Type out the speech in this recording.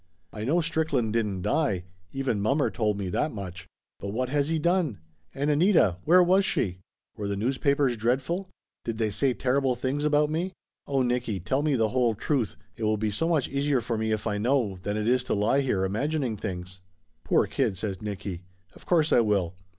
I know Strickland didn't die. Even mommer told me that much. But what has he done? And Anita where was she? Were the news papers dreadful? Did they say terrible things about me? Oh, Nicky, tell me the whole truth it will be so much easier for me if I know, than it is to lie here imagining things !" "Poor kid!" says Nicky. "Of course I will.